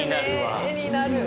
絵になるわ。